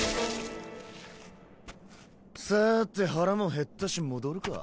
さて腹も減ったし戻るか。